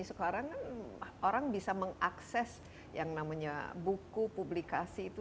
sekarang kan orang bisa mengakses yang namanya buku publikasi itu